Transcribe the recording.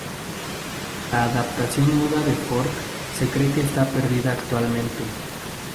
La adaptación muda de Ford se cree que está perdida actualmente.